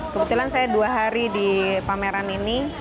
kebetulan saya dua hari di pameran ini